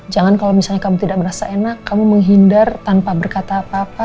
jangan kalau misalnya kamu tidak merasa enak kamu menghindar tanpa berkata apa apa